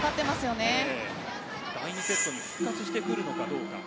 第２セットに復活してくるのかどうか。